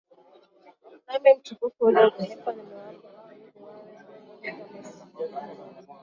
Nami utukufu ule ulionipa nimewapa wao ili wawe na umoja kama sisi tulivyo umoja